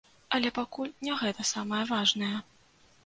Але пакуль не гэта самае важнае.